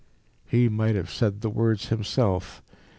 He might have said the words himself.